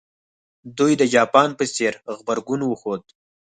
دوی د جاپان په څېر غبرګون وښود.